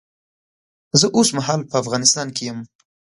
زه اوس مهال په افغانستان کې یم